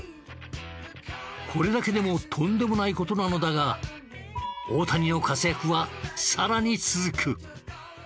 これだけでもとんでもない事なのだが大谷の活躍は更に続く。